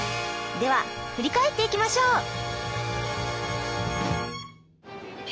では振り返っていきましょう。